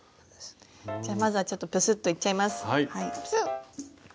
じゃまずはちょっとプスッといっちゃいます。